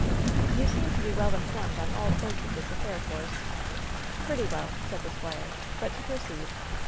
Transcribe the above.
"You seem to be well informed on all points of this affair, Force." "Pretty well," said the squire ; "but to proceed.